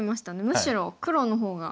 むしろ黒の方が。